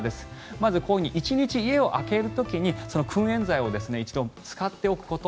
まずこういうふうに１日家を空ける時にくん煙剤を一度使っておくこと。